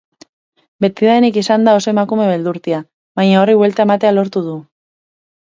Betidanik izan da oso emakume beldurtia, baina horri buelta ematea lortu du.